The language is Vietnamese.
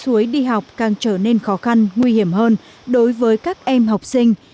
suối đi học càng trở nên khó khăn nguy hiểm hơn đối với các em học sinh